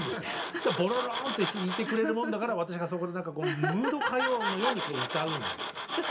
そしたらボロローンって弾いてくれるもんだから私がそこで何かムード歌謡のように歌うんですよ。